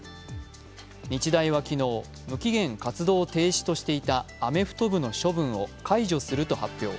日大は昨日、無期限活動停止としていたアメフト部の処分を解除すると発表。